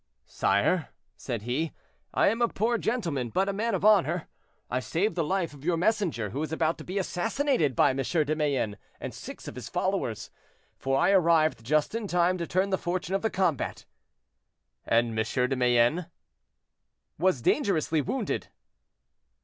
"Sire," said he, "I am a poor gentleman, but a man of honor. I saved the life of your messenger, who was about to be assassinated by M. de Mayenne and six of his followers, for I arrived just in time to turn the fortune of the combat." "And M. de Mayenne?" "Was dangerously wounded."